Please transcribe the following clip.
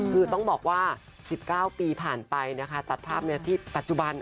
คือต้องบอกว่า๑๙ปีผ่านไปนะคะตัดภาพที่ปัจจุบัน